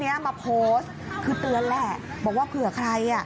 นี่ป้าเป็นนักแข่งมาตั้งแต่เด็กแล้วเว้ย